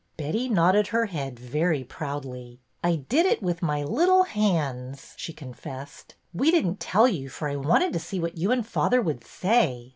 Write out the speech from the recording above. Betty nodded her head very proudly. " I did it with my little hands," she confessed. "We didn't tell you, for I wanted to see what you and father would say."